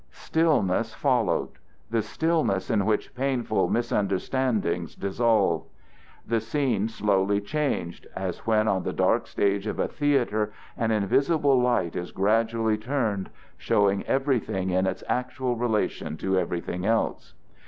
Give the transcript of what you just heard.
Stillness followed, the stillness in which painful misunderstandings dissolve. The scene slowly changed, as when on the dark stage of a theater an invisible light is gradually turned, showing everything in its actual relation to everything else.